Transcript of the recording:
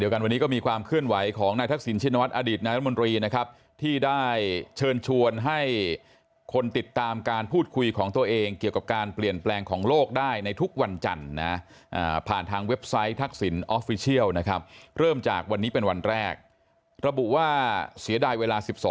ก็ไม่มีอะไรนะครับ